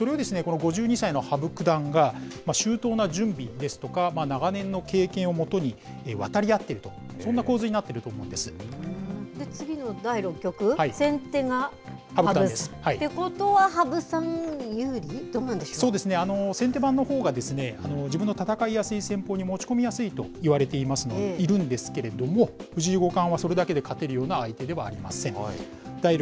それをこの５２歳の羽生九段が、周到な準備ですとか、長年の経験をもとに、渡り合っていると、そんな構図になっていると思うんで次の第６局、先手が羽生さんということは、羽生さん有利そうですね、先手番のほうが、自分の戦いやすい戦法に持ち込みやすいといわれているんですけれども、藤井五冠はそれだけで勝てるような相手ではありません。